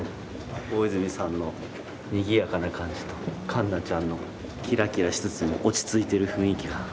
大泉さんのにぎやかな感じと環奈ちゃんのキラキラしつつも落ち着いている雰囲気が。